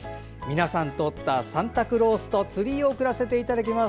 皆さんと折ったサンタクロースとツリーを送らせていただきます。